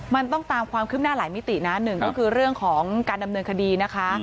มันต้องตามความคืบหน้าหลายมิตินะหนึ่งก็คือเรื่องของการดำเนินคดีนะคะ